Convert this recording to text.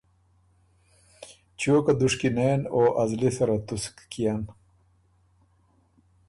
چیو که دُشکی نېن او ا زلی سره تُسک کيېن